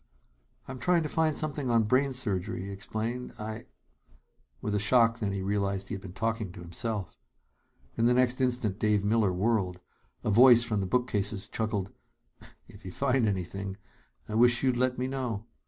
"I'm trying to find something on brain surgery," he explained. "I " With a shock, then, he realized he had been talking to himself. In the next instant, Dave Miller whirled. A voice from the bookcases chuckled: "If you find anything, I wish you'd let me know.